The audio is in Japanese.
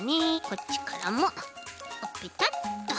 こっちからもペタッと。